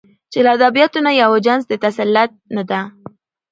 چې له ادبياتو نه د يوه جنس د تسلط نه